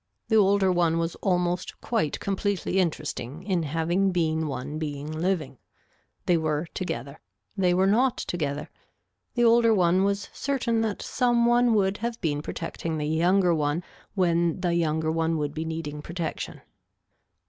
The older one was almost quite completely interesting in having been one being living. They were together. They were not together. The older one was certain that some one would have been protecting the younger one when they younger one would be needing protection.